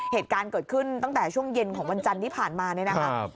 เหตุการณ์เกิดขึ้นตั้งแต่ช่วงเย็นของวันจันทร์ที่ผ่านมาเนี่ยนะครับ